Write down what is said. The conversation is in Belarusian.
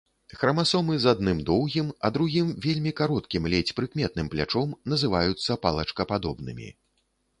Храмасомы з адным доўгім, а другім вельмі кароткім, ледзь прыкметным плячом называюцца палачкападобнымі.